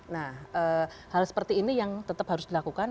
nah hal seperti ini yang tetap harus dilakukan